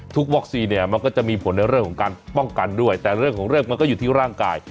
วัคซีนเนี่ยมันก็จะมีผลในเรื่องของการป้องกันด้วยแต่เรื่องของเรื่องมันก็อยู่ที่ร่างกาย